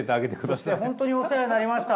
そして本当にお世話になりました。